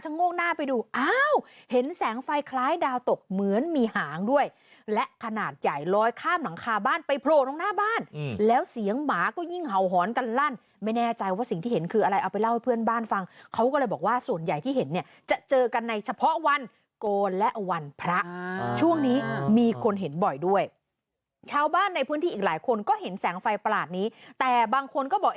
ช่วงนี้มีคนเห็นบ่อยด้วยชาวบ้านในพื้นที่อีกหลายคนก็เห็นแสงไฟปราสนี้แต่บางคนก็บอก